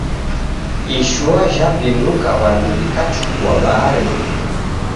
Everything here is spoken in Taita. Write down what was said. Ishua jhapinduka w'andu w'ikachukua baharinyi